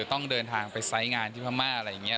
ต้องเดินทางไปไซส์งานที่พม่าอะไรอย่างนี้